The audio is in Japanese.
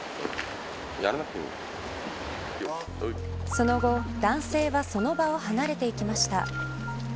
その後、男性はその場を離れていきました。